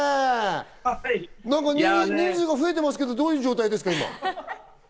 人数が増えてますけど、どういう状態ですか？